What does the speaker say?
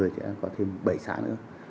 sẽ có thêm bảy xã nữa